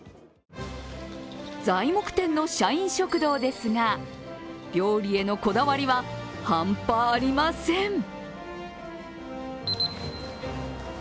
材木店の社員食堂ですが料理へのこだわりは半端ありません。